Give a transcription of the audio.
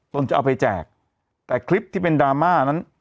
จะเอาไปแจกแต่คลิปที่เป็นดราม่านั้น